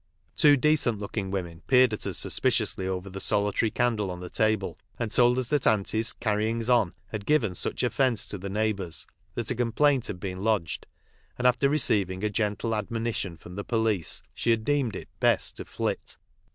Two decent looking women peered at us suspiciously over the solitary candle on the table, and told us that Aunty's "carry lugs on" had given such offence to the neighbours that a complaint had been lodged, and after receiv ing a gentle admonition from the police she had deemed it best to « flit."